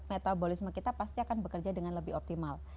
metabolisme kita pasti akan bekerja dengan lebih optimal